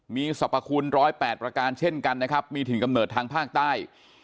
มีสรรพคุณ๑๐๘ประการเช่นกันนะครับมีถิ่นกำเนิดทางภาคใต้